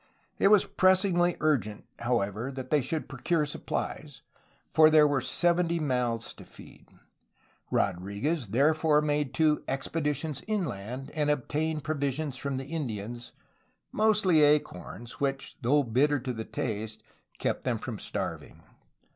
It was pressingly urgent, however, that they should procure supplies, for there were seventy mouths to feed. Rodriguez therefore made two expeditions inland, and obtained provisions from the Indians, mostly acorns, which (though bitter to the taste) kept them from starving.